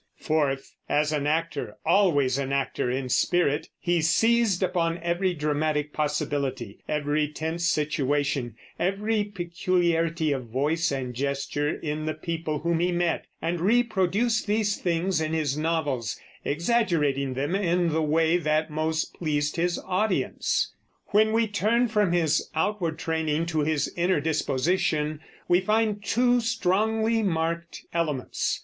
Fourth, as an actor, always an actor in spirit, he seized upon every dramatic possibility, every tense situation, every peculiarity of voice and gesture in the people whom he met, and reproduced these things in his novels, exaggerating them in the way that most pleased his audience. When we turn from his outward training to his inner disposition we find two strongly marked elements.